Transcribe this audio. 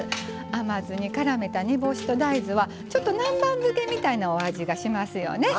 甘酢にからめた煮干しと大豆は南蛮漬けみたいなお味がしますよね。